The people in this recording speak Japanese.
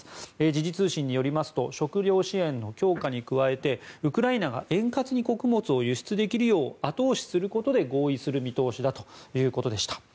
時事通信によりますと食糧支援の強化に加えてウクライナが円滑に穀物を輸出できるよう後押しすることで合意する見通しだということでした。